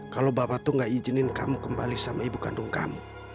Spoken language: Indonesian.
kalau bapak tuh gak izinin kamu kembali sama ibu kandung kamu